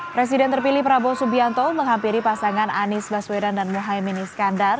presiden terpilih prabowo subianto menghampiri pasangan anies baswedan dan muhaymin iskandar